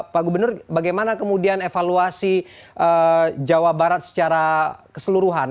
pak gubernur bagaimana kemudian evaluasi jawa barat secara keseluruhan